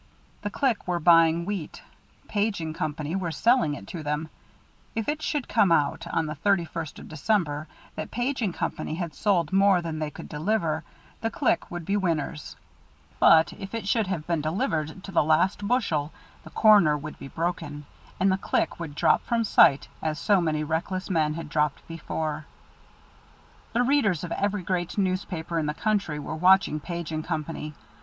The Clique were buying wheat Page & Company were selling it to them: if it should come out, on the thirty first of December, that Page & Company had sold more than they could deliver, the Clique would be winners; but if it should have been delivered, to the last bushel, the corner would be broken, and the Clique would drop from sight as so many reckless men had dropped before. The readers of every great newspaper in the country were watching Page & Company.